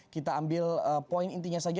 kita ambil poin intinya saja